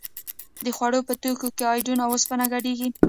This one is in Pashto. د خوړو په توکو کې ایوډین او اوسپنه ګډیږي؟